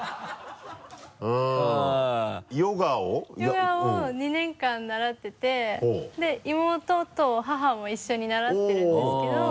ヨガを２年間習ってて妹と母も一緒に習ってるんですけど。